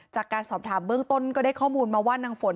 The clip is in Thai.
จากการสอบถามเบื้องต้นก็ได้ข้อมูลมาว่านางฝน